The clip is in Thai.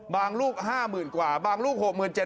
ลูก๕๐๐๐กว่าบางลูก๖๗๐๐